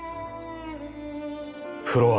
フロア。